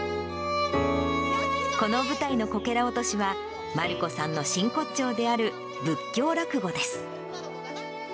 この舞台のこけら落としは、団姫さんの真骨頂である仏教落語です。